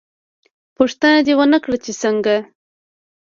_ پوښتنه دې ونه کړه چې څنګه؟